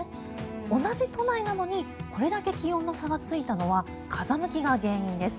同じ都内なのにこれだけ気温の差がついたのは風向きが原因です。